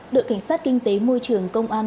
đội cảnh sát kinh tế môi trường công an